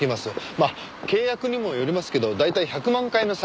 まあ契約にもよりますけど大体１００万回の再生で１０万円。